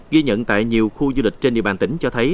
ghi nhận tại nhiều khu du lịch trên địa bàn tỉnh cho thấy